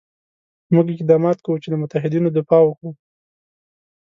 موږ اقدامات کوو چې له متحدینو دفاع وکړو.